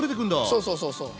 そうそうそうそう。